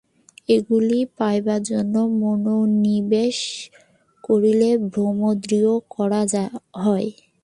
এগুলি পাইবার জন্য মনোনিবেশ করিলে ভ্রম দৃঢ় করা হয়।